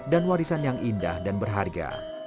dan warisan yang indah dan berharga